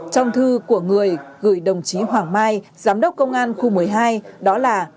trong thư của người gửi đồng chí hoàng mai giám đốc công an khu một mươi hai đó là